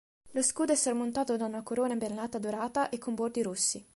Lo scudo è sormontato da una corona merlata dorata e con bordi rossi.